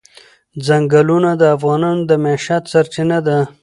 ځنګلونه د افغانانو د معیشت سرچینه ده.